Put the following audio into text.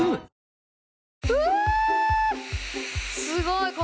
すごい！